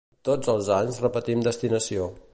Tots els anys repetim destinació.